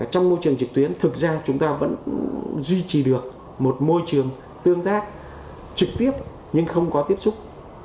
trong môi trường trực tuyến thực ra chúng ta vẫn duy trì được một môi trường tương tác trực tiếp nhưng không có tiếp xúc